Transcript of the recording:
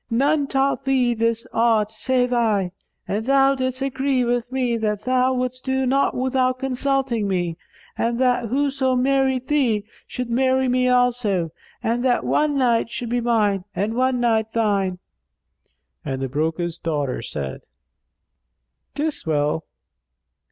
None taught thee this art save I, and thou didst agree with me that thou wouldst do naught without consulting me and that whoso married thee should marry me also, and that one night should be mine and one night thine." And the broker's daughter said, "'Tis well."